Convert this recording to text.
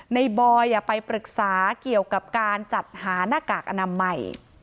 บอยไปปรึกษาเกี่ยวกับการจัดหาหน้ากากอนามัย